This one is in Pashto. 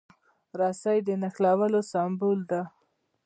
رسۍ د نښلولو سمبول ده.